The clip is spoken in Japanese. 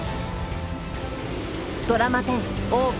ドラマ１０「大奥」